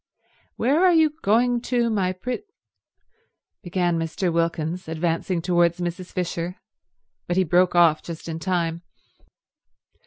"Where are you going to, my prett—" began Mr. Wilkins, advancing towards Mrs. Fisher; but he broke off just in time.